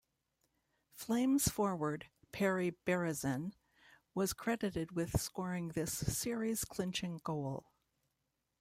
Flames forward Perry Berezan was credited with scoring this series-clinching goal.